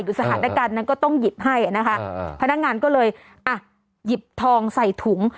สถานการณ์นั้นก็ต้องหยิบให้นะคะพนักงานก็เลยอ่ะหยิบทองใส่ถุง